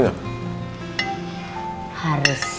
iya pak bos